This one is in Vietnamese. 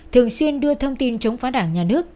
thường xuyên đưa thông tin chống phá đảng nhà nước